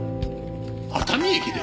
熱海駅で？